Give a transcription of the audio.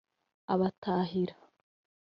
Abatahira